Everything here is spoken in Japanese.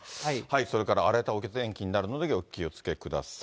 それから荒れたお天気になるので、お気をつけください。